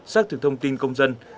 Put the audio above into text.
xác thực thông tin công dân